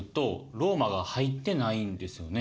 ローマが入ってないんですよね。